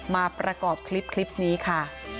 มาประกอบคลิปนี้ค่ะ